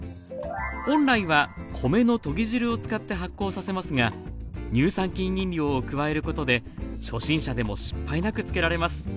本来は米のとぎ汁を使って発酵させますが乳酸菌飲料を加えることで初心者でも失敗なく漬けられます。